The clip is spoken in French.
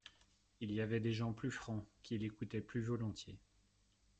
Il y avait des gens plus francs qu'il écoutait plus volontiers.